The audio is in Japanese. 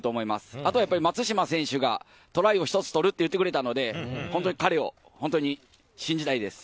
あとはやっぱり松島選手がトライを１つ取ると言ってくれたので、本当に彼を信じたいです。